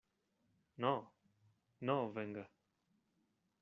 no. no, venga .